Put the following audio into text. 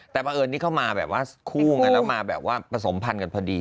แต่บังเอิญนี่เข้ามาแบบว่าคู่กันแล้วมาแบบว่าผสมพันธ์กันพอดี